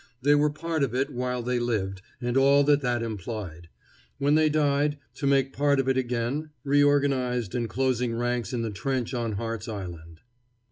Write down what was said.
They were part of it while they lived, with all that that implied; when they died, to make part of it again, reorganized and closing ranks in the trench on Hart's Island.